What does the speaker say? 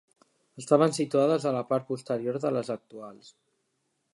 Estaven situades a la part posterior de les actuals.